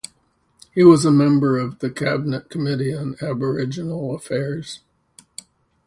He was a member of the Cabinet Committee on Aboriginal Affairs.